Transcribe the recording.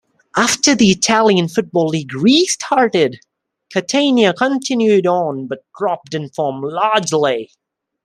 After the Italian football league restarted, Catania continued on but dropped in form largely.